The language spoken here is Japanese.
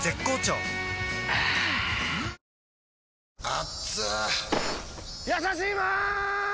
あぁやさしいマーン！！